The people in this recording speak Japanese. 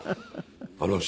あの人。